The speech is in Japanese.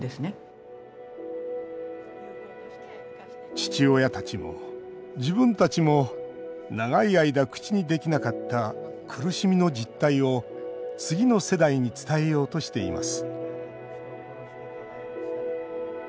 父親たちも自分たちも長い間、口にできなかった苦しみの実態を、次の世代に伝えようとしています